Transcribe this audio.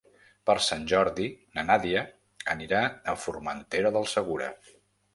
Per Sant Jordi na Nàdia anirà a Formentera del Segura.